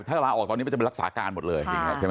ถ้าลาออกตอนนี้มันจะไปรักษาการหมดเลยใช่ไหม